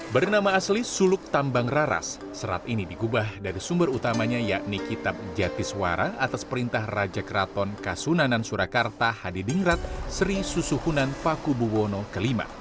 bernama asli suluk tambang raras serat ini digubah dari sumber utamanya yakni kitab jatiswara atas perintah raja keraton kasunanan surakarta hadidingrat sri susuhunan paku buwono v